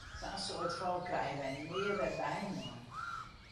Sa'n soad folk krije wy nea wer byinoar!